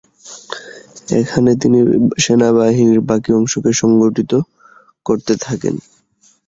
এখানে তিনি সেনাবাহিনীর বাকি অংশকে সংগঠিত করতে থাকেন।